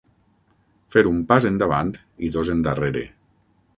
Fer un pas endavant i dos endarrere.